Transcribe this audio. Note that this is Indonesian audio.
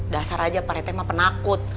dasar aja pak rete mah penakut